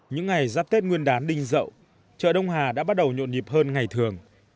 những ngày giáp tết nguyên đán đinh rậu chợ đông hà đã bắt đầu nhộn nhịp hơn ngày thường